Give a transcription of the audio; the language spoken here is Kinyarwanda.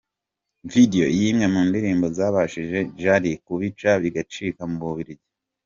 Video y’imwe mu ndirimbo zabashishije Jali kubica bigacika mu Bubiligi .